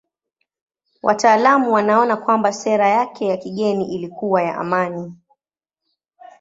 Wataalamu wanaona kwamba sera yake ya kigeni ilikuwa ya amani.